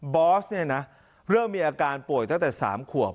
อสเนี่ยนะเริ่มมีอาการป่วยตั้งแต่๓ขวบ